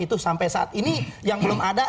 itu sampai saat ini yang belum ada